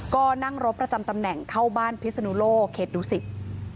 ก็นั่งรถประจำตำแหน่งเข้าบ้านพิศนุโลกเขตดุสิต